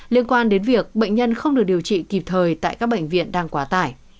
liên quan đến việc bệnh nhân không được điều trị kịp thời tại các bệnh viện đang quá tải